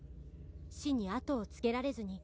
「死にあとをつけられずに」